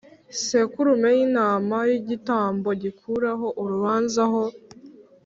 sekurume y intama y igitambo gikuraho urubanza ho